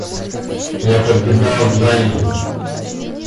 Я подбегал к бане.